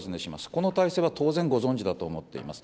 この体制は当然ご存じだと思っています。